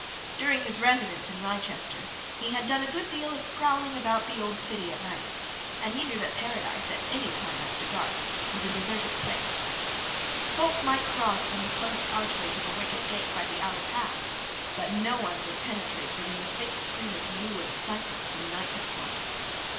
During his residence in Wrychester he had done a good deal of prowling about the old city at night, and he knew that Paradise, at any time after dark, was a deserted place. Folk might cross from the close archway to the wicket gate by the outer path, but no one would penetrate within the thick screen of yew and cypress when night had fallen.